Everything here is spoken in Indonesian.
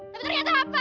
tapi ternyata apa